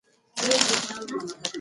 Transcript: ماشومان باید د بدخواړو مخنیوی وکړي.